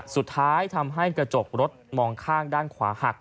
สุดท้ายทำให้กระจกรถมองข้างด้านขวาหัก